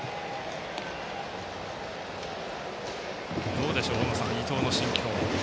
どうでしょう、大野さん伊藤の心境は。